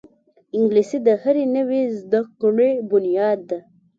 انګلیسي د هرې نوې زده کړې بنیاد ده